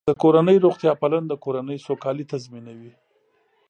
د کورنۍ روغتیا پالنه د کورنۍ سوکالي تضمینوي.